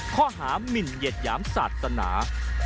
ข้อหามินเหยียดหยามศาสนา